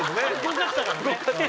動かしたからね。